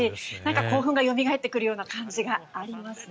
興奮がよみがえってくるような感じがありますね。